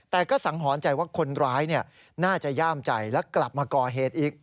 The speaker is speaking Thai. แต่ก็สังหรณ์ใจว่าคนร้ายน่าจะย่ามใจและกลับมาก่อเหตุอีก